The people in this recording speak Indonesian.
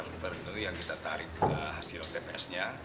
kemudian beberapa titik titik yang kita tarik ke hasil tpsnya